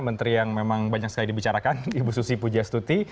menteri yang memang banyak sekali dibicarakan ibu susi pujastuti